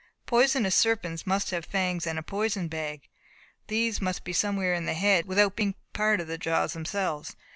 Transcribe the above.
Poisonous serpents must have fangs, and a poison bag. These must be somewhere in the head, without being part of the jaws themselves.